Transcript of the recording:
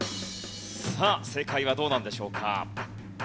正解はどうなんでしょうか？